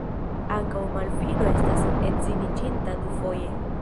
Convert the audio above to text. Ankaŭ Malvino estas edziniĝinta dufoje.